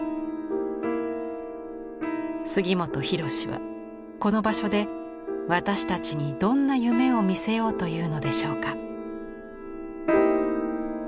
杉本博司はこの場所で私たちにどんな夢を見せようというのでしょうか。